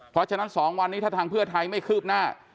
เพราะฉะนั้น๒วันนี้ถ้าทางเพื่อไทยไม่คืบหน้า